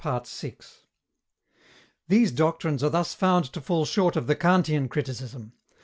These doctrines are thus found to fall short of the Kantian criticism.